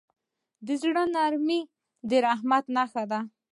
د زړه نرمي د رحمت نښه ده.